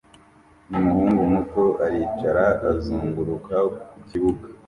Umuhungu muto aricara azunguruka ku kibuga